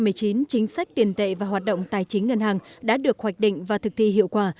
năm hai nghìn một mươi chín chính sách tiền tệ và hoạt động tài chính ngân hàng đã được hoạch định và thực thi hiệu quả